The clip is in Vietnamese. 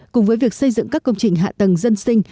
cùng với việc xây dựng các công trình hạ tầng dân sinh